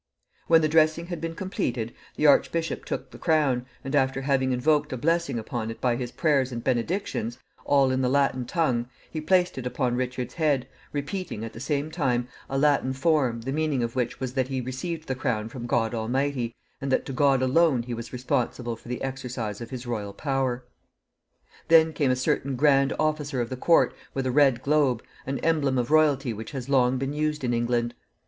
When the dressing had been completed, the archbishop took the crown, and after having invoked a blessing upon it by his prayers and benedictions, all in the Latin tongue, he placed it upon Richard's head, repeating, at the same time, a Latin form, the meaning of which was that he received the crown from God Almighty, and that to God alone he was responsible for the exercise of his royal power. Then came a certain grand officer of the court with a red globe, an emblem of royalty which has long been used in England.